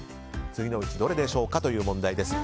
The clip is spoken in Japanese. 次のうちどれでしょうかという問題です。